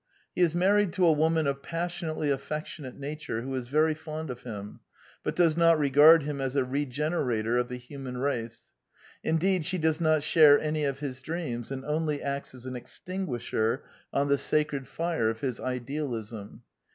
He is married to a woman of passion ately affectionate nature, who is very fond of him, but does not regard him as a regenerator of the human race. Indeed she does not share any of his dreams, and only acts as an extinguisher on the sacred fire of his idealism.